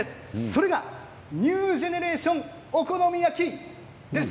それがニュージェネレーションお好み焼きです。